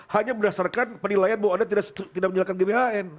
hanya berdasarkan penilaian bahwa anda tidak menjalankan gbhn